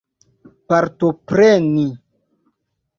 partopreni